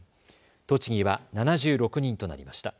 栃木は７６人となりました。